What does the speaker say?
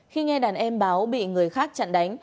khi nghe đàn em báo bị người khác chặn đánh